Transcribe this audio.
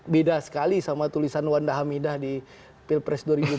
beda sekali sama tulisan wanda hamidah di pilpres dua ribu sembilan belas